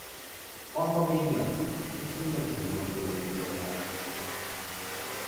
Он побледнел и с минуту не мог перевести дыхания.